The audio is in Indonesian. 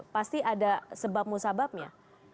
pasti ada sebab musababnya